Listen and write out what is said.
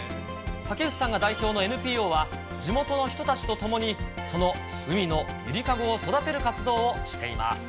竹内さんが代表のＮＰＯは、地元の人たちと共に、その海の揺りかごを育てる活動をしています。